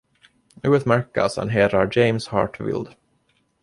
Utmärkelsen hedrar James Hart Wyld.